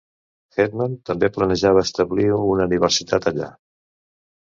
Hetman també planejava establir una universitat allà.